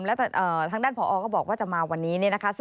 และทางด้านพ่ออออก็บอกว่าจะมาวันนี้